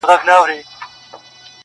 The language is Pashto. که نڅا وي خو زه هم سم نڅېدلای-